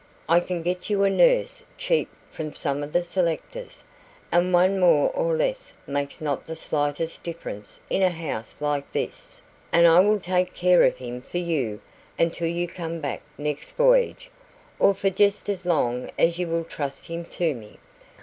I can get you a nurse cheap from some of the selectors, and one more or less makes not the slightest difference in a house like this; and I will take care of him for you until you come back next voyage, or for just as long as you will trust him to me.